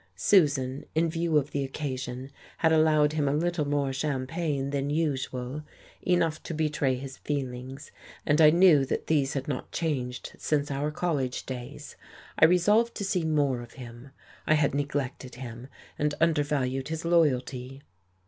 Susan, in view of the occasion, had allowed him a little more champagne than usual enough to betray his feelings, and I knew that these had not changed since our college days. I resolved to see more of him. I had neglected him and undervalued his loyalty....